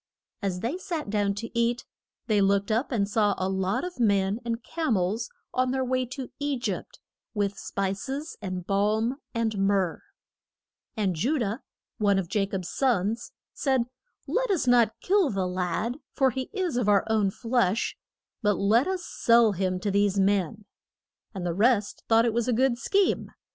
As they sat down to eat, they looked up and saw a lot of men and cam els on their way to E gypt, with spices, and balm and myrrh. [Illustration: JO SEPH SOLD BY HIS BROTH ERS.] And Ju dah one of Ja cob's sons said, Let us not kill the lad, for he is of our own flesh, but let us sell him to these men. And the rest thought it was a good scheme.